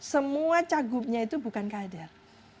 semua cagupnya itu bukan kader